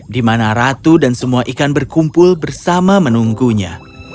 di mana ratu dan semua ikan berkumpul bersama menunggunya